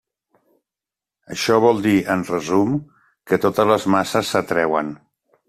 Això vol dir, en resum, que totes les masses s'atreuen.